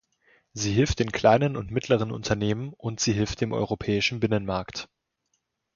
Sie hilft den kleinen und mittleren Unternehmen und sie hilft dem Europäischen Binnenmarkt.